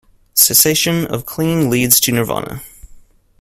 The cessation of clinging leads to Nirvana.